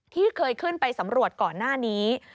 ที่เคยขึ้นไปสำรวจก่อนหน้านี้